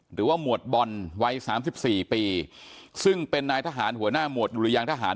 หรือว่าหมวดบอลไว้๓๔ปีซึ่งเป็นนายทหารหัวหน้าหมวดยุรยางทหาร